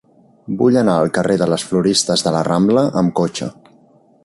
Vull anar al carrer de les Floristes de la Rambla amb cotxe.